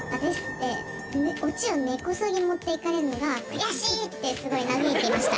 でオチを根こそぎ持っていかれるのが悔しいってすごい嘆いてました」